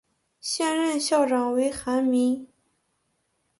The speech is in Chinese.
现任校长为韩民。